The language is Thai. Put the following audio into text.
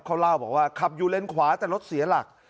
เขาเล่าบอกว่าขับอยู่เลนขวาแต่รถเสียหลัก